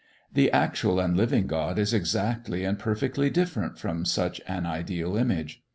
The actual and living God is exactly and perfectly different from such an ideal image.